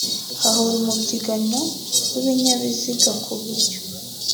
hahora umubyigano w’ibinyabiziga ku buryo